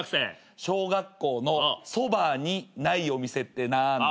小学校のそばにないお店って何だ？